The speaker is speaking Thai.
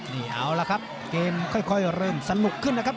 นี่เอาละครับเกมค่อยเริ่มสนุกขึ้นนะครับ